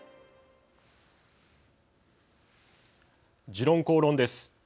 「時論公論」です。